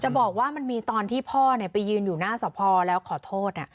บอกว่ามันมีตอนที่พ่อไปยืนอยู่หน้าสพแล้วขอโทษ